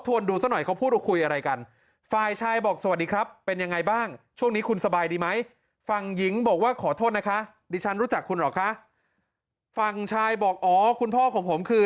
ว่าขอโทษนะคะดิฉันรู้จักคุณหรอคะฟังชายบอกอ๋อคุณพ่อของผมคือ